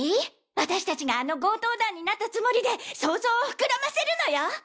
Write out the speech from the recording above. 私達があの強盗団になったつもりで想像をふくらませるのよ！